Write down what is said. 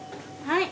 はい。